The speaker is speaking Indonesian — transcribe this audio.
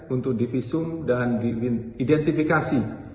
untuk divisum dan identifikasi